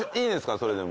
それでも。